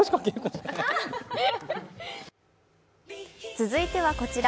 続いてはこちら。